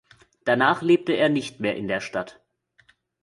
Danach lebte er nicht mehr in der Stadt.